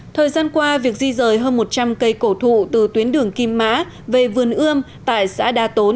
thời gian qua việc di rời hơn một trăm linh cây cổ thụ từ tuyến đường kim mã về vườn ươm tại xã đa tốn